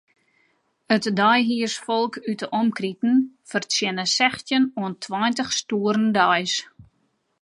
It deihiersfolk út 'e omkriten fertsjinne sechstjin oant tweintich stoeren deis.